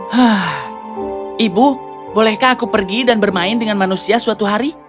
hah ibu bolehkah aku pergi dan bermain dengan manusia suatu hari